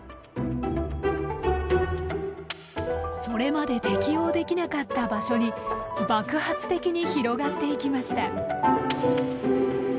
それまで適応できなかった場所に爆発的に広がっていきました。